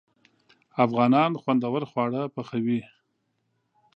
افغانان خوندور خواړه پخوي.